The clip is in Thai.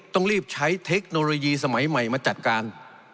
ต้องรีบใช้เทคโนโลยีสมัยใหม่มาจัดการ